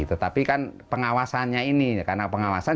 tetapi kan pengawasannya ini karena pengawasan